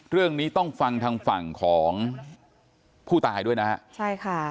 เรื่องนี้ต้องฟังทางฝั่งของผู้ตายด้วยนะฮะใช่ค่ะ